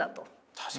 確かに。